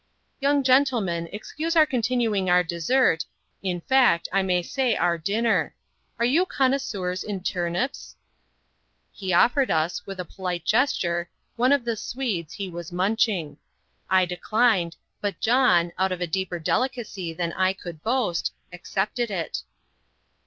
Young gentlemen, excuse our continuing our dessert, in fact, I may say our dinner. Are you connoisseurs in turnips?" He offered us with a polite gesture one of the "swedes" he was munching. I declined; but John, out of a deeper delicacy than I could boast, accepted it.